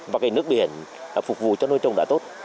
và cái nước biển phục vụ cho nuôi trồng đã tốt